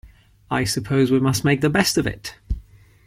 I suppose we must make the best of it!